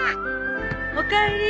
おかえり。